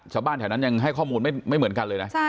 ชาวบ้านแถวนั้นยังให้ข้อมูลไม่เหมือนกันเลยนะ